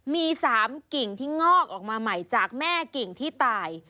มี๓กิ่งที่งอกออกมาใหม่จากแม่กิ่งที่ตาย